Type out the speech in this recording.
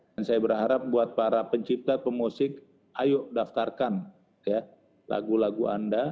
dan saya berharap buat para pencipta pemusik ayo daftarkan lagu lagu anda